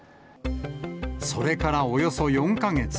それからおよそ４か月。